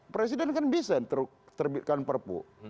presiden kan bisa terbitkan perpu